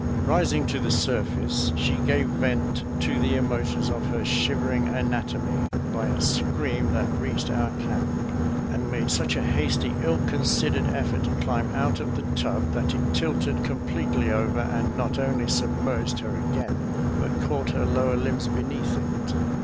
Rising to the surface, she gave vent to the emotions of her shivering anatomy by a scream that reached our camp, and made such a hasty, ill considered ef fort to climb out of the tub that it tilted com pletely over, and not only submerged her again, but caught her lower limbs beneath it.